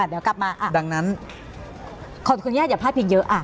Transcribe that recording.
เดี๋ยวกลับมาดังนั้นขออนุญาตอย่าพลาดพิงเยอะ